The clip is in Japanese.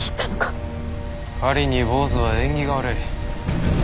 狩りに坊主は縁起が悪い。